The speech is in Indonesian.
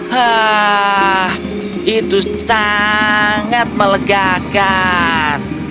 hah itu sangat melegakan